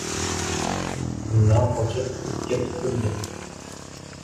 • Tutundan qochib o‘tga tutildi.